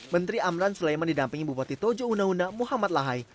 menteri amran sulaiman didampingi bupati tojo unauna muhammad lahai